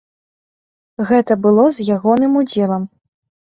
Гэта было з ягоным удзелам.